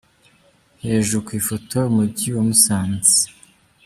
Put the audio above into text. Hejuru ku ifoto: Umujyi wa Musanze.